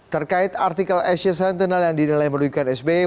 terkait artikel asia sentinel yang dinilai merudikan sbi